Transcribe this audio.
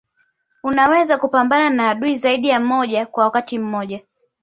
Unaweza kupambana na adui zaidi ya mmoja kwa wakati mmoja